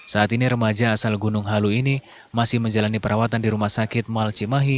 saat ini remaja asal gunung halu ini masih menjalani perawatan di rumah sakit mal cimahi guna pemulihan pasca kelahiran